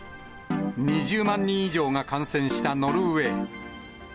２０万人以上が感染したノルウェー。